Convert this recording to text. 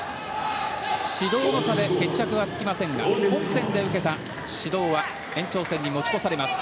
指導の差で決着はつきませんが本線で受けた指導は延長戦に持ち込まれます。